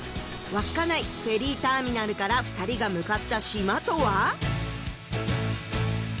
稚内フェリーターミナルから二人が向かった島とは？